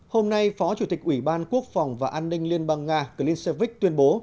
hôm nay phó chủ tịch ủy ban quốc phòng và an ninh liên bang nga clinevich tuyên bố